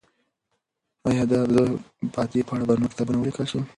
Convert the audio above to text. آیا د دغه فاتح په اړه به نور کتابونه ولیکل شي؟